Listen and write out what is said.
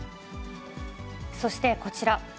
そしてこちら。